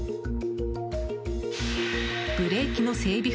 ブレーキの整備